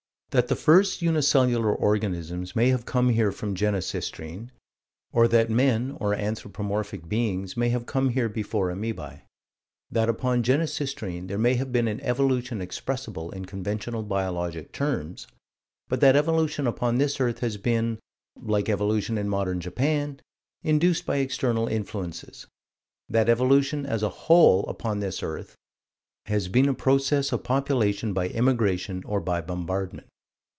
That the first unicellular organisms may have come here from Genesistrine or that men or anthropomorphic beings may have come here before amoebae: that, upon Genesistrine, there may have been an evolution expressible in conventional biologic terms, but that evolution upon this earth has been like evolution in modern Japan induced by external influences; that evolution, as a whole, upon this earth, has been a process of population by immigration or by bombardment.